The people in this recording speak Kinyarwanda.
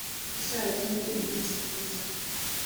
isabato ni umunsi mwiza